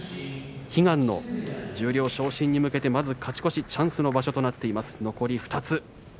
悲願の十両昇進に向けてまず勝ち越し、チャンスの場所となっています、残り２つ。